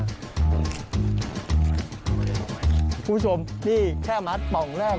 คุณผู้ชมนี่แค่มัดป่องแรก